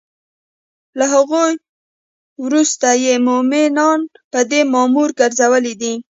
له هغوی وروسته یی مومنان په دی مامور ګرځولی دی